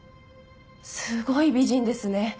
すごい美人ですね。